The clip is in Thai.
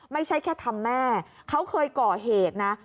ไม่ใช่แค่ทำแม่เขาเคยก่อเหตุนะ